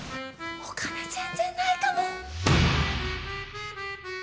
お金全然ないかも。